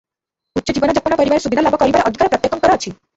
ଉଚ୍ଚ ଜୀବନଯାପନ କରିବାର ସୁବିଧା ଲାଭ କରିବାର ଅଧିକାର ପ୍ରତ୍ୟେକଙ୍କର ଅଛି ।